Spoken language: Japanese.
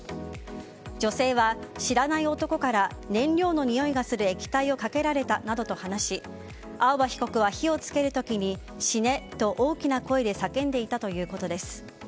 女性は知らない男から燃料のにおいがする液体をかけられたと話し青葉被告は火を付ける時に死ねと大きな声で叫んでいたということです。